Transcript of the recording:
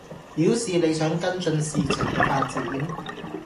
表示你想跟進事情嘅發展